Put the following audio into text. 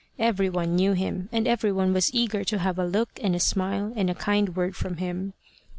Every one knew him, and every one was eager to have a look, and a smile, and a kind word from him.